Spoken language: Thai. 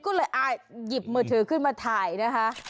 ก็เลยหยิบมือถือขึ้นมาถ่ายนะคะ